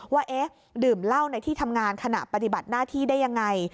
ว่าเอ๊ะดื่มเหล้าในที่ทำงานขณะปฏิบัติหน้าที่ได้ยังไง